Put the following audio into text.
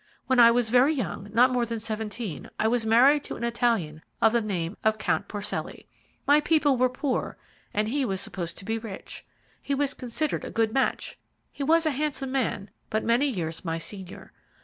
When I was very young, not more than seventeen, I was married to an Italian of the name of Count Porcelli. My people were poor, and he was supposed to be rich. He was considered a good match. He was a handsome man, but many years my senior.